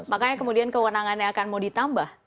makanya kemudian kewenangannya akan mau ditambah